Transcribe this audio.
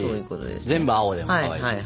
全部青でもかわいいしね。